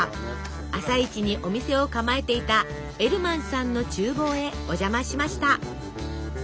朝市にお店を構えていたエルマンさんの厨房へお邪魔しました。